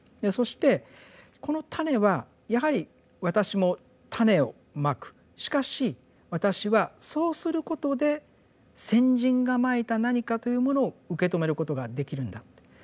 そしてこの種はやはり私も種を蒔くしかし私はそうすることで先人が蒔いた何かというものを受け止めることができるんだって。